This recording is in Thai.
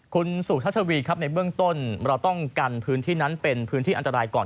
คุณสุชัชวีครับในเบื้องต้นเราต้องกันพื้นที่นั้นเป็นพื้นที่อันตรายก่อน